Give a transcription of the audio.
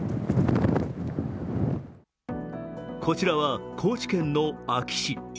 こちらは高知県の安芸市。